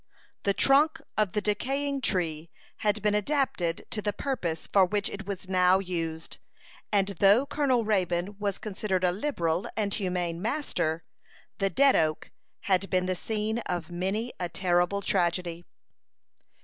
The trunk of the decaying tree had been adapted to the purpose for which it was now used, and though Colonel Raybone was considered a liberal and humane master, the "dead oak" had been the scene of many a terrible tragedy.